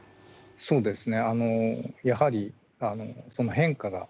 そうですね。